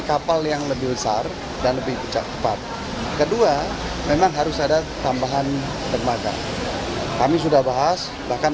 kapal yang lebih besar dan lebih cepat kedua memang harus ada tambahan dermaga kami sudah bahas bahkan